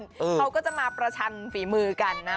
เขาก็จะมาประชันฝีมือกันนะ